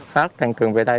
khác tăng cường về đây